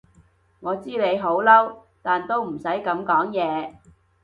我知你好嬲，但都唔使噉講嘢